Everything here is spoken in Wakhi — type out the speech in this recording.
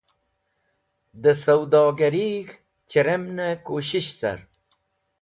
Dẽ sẽwdogarig̃h chẽremnẽ kushish car.